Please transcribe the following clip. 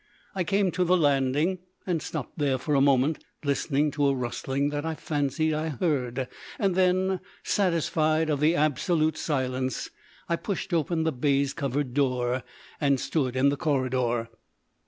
I came to the landing and stopped there for a moment, listening to a rustling that I fancied I heard; then, satisfied of the absolute silence, I pushed open the baize covered door and stood in the corridor.